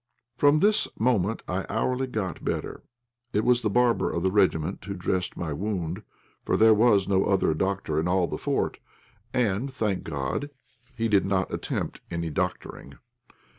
From this moment I hourly got better. It was the barber of the regiment who dressed my wound, for there was no other doctor in all the fort, and, thank God, he did not attempt any doctoring.